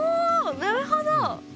なるほど！